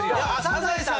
「サザエさん」